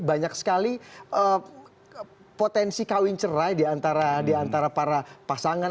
banyak sekali potensi kawin cerai diantara para pasangan